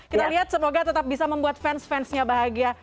kita lihat semoga tetap bisa membuat fans fansnya bahagia